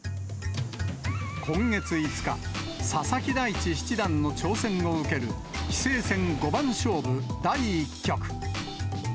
今月５日、佐々木大地七段の挑戦を受ける棋聖戦五番勝負第１局。